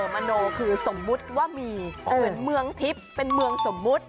มโนคือสมมุติว่ามีเหมือนเมืองทิพย์เป็นเมืองสมมุติ